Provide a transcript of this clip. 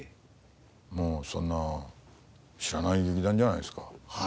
もうそんな知らない劇団じゃないですか。